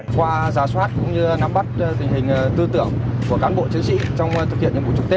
qua giả soát cũng như nắm bắt tình hình tư tưởng của cán bộ chiến sĩ trong thực hiện nhiệm vụ trực tết